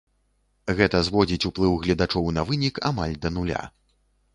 Гэта зводзіць уплыў гледачоў на вынік амаль да нуля.